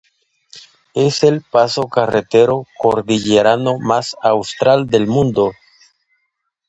Es el paso carretero cordillerano más austral del mundo.